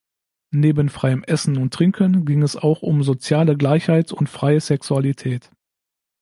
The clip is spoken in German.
Neben freiem Essen und Trinken ging es auch um soziale Gleichheit und freie Sexualität.